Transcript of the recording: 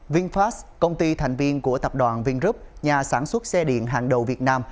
vinfast công ty thành viên của tập đoàn vingroup nhà sản xuất xe điện hàng đầu việt nam